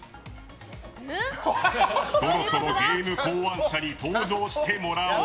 そろそろゲーム考案者に登場してもらおう。